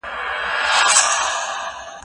دا لوښي له هغه پاک دي؟